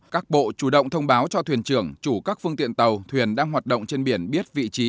các bộ chủ động thông báo cho thuyền trưởng chủ các phương tiện tàu thuyền đang hoạt động trên biển biết vị trí